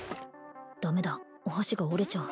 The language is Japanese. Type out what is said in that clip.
ダメだお箸が折れちゃう